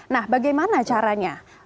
nah bagaimana caranya